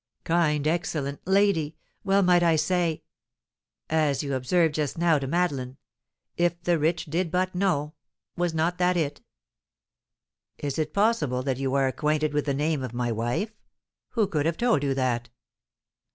"Kind, excellent lady! Well might I say " "As you observed just now to Madeleine, 'If the rich did but know!' was not that it?" "Is it possible that you are acquainted with the name of my wife? Who could have told you that?"